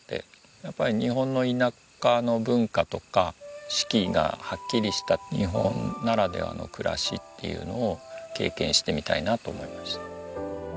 やっぱり日本の田舎の文化とか四季がはっきりした日本ならではの暮らしっていうのを経験してみたいなと思いました。